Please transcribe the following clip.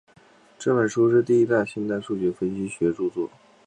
这本书是第一本现代数学分析学着作。